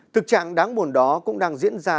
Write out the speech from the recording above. thực trạng đáng buồn đó cũng đang diễn ra